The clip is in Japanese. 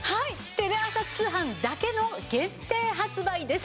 テレ朝通販だけの限定発売です。